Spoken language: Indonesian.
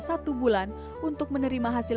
satu bulan untuk menerima hasil